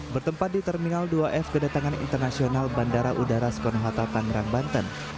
bertempat di terminal dua f kedatangan internasional bandara udara sekonohata pangerang banten